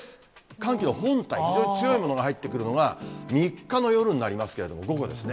寒気の本体、非常に強いものが入ってくるのが３日の夜になりますけれども、午後ですね。